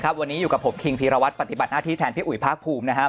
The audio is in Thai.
วันนี้อยู่กับผมคิงพีรวัตรปฏิบัติหน้าที่แทนพี่อุ๋ยภาคภูมินะครับ